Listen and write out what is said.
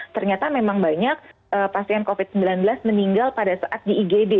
ternyata memang banyak pasien covid sembilan belas meninggal pada saat di igd